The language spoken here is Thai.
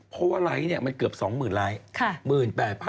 เพราะว่าไลค์มันเกือบ๒๐๐๐ไลค์